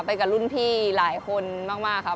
ไปกับรุ่นพี่หลายคนมากครับ